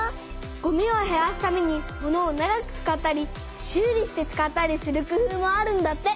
ごみをへらすためにものを長く使ったり修理して使ったりする工夫もあるんだって。